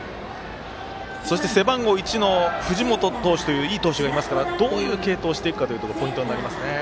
そして背番号１の藤本投手といういい投手がいますからどういう継投をしていくかがポイントになりますね。